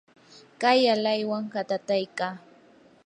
kay alaywan katataykaa.